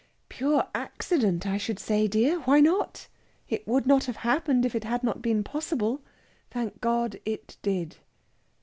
Pure accident, I should say, dear! Why not? It would not have happened if it had not been possible. Thank God it did!"